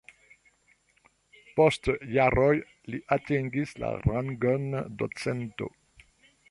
Post jaroj li atingis la rangon docento.